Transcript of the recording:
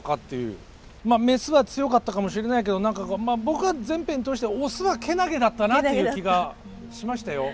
まあメスは強かったかもしれないけど何か僕は全編通してオスはけなげだったなっていう気がしましたよ。